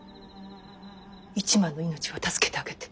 一幡の命は助けてあげて。